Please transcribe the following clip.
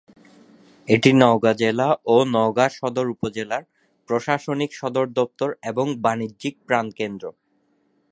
এটি নওগাঁ জেলা ও নওগাঁ সদর উপজেলার প্রশাসনিক সদরদপ্তর এবং বাণিজ্যিক প্রাণকেন্দ্র।